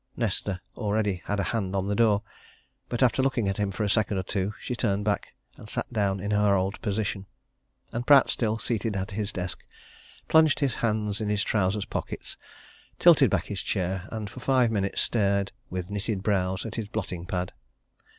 Nesta already had a hand on the door. But after looking at him for a second or two, she turned back, and sat down in her old position. And Pratt, still seated at his desk, plunged his hands in his trousers pockets, tilted back his chair, and for five minutes stared with knitted brows at his blotting pad.